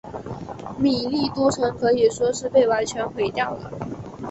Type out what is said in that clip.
米利都城可以说是被完全毁掉了。